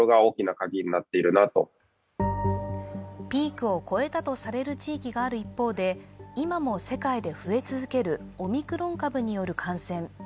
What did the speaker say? ピークを超えたとされる地域がある一方で、今も世界で増え続けるオミクロン株による感染。